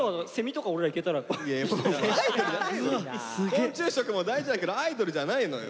昆虫食も大事だけどアイドルじゃないのよ。